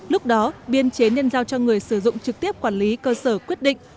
lúc đó biên chế nên giao cho người sử dụng trực tiếp quản lý cơ sở quyết định